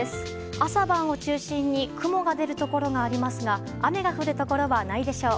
朝晩を中心に雲が出るところがありますが雨が降るところはないでしょう。